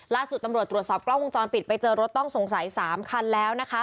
ล่าสุดตำรวจตรวจสอบกล้องวงจรปิดไปเจอรถต้องสงสัย๓คันแล้วนะคะ